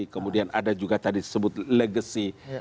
kemudian ada juga tadi disebut legacy